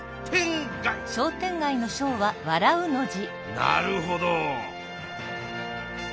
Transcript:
なるほど。